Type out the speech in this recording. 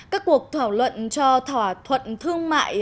các cuộc thỏa luận cho thỏa thuận thương mại